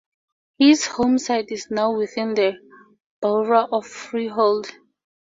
His home site is now within the Borough of Freehold.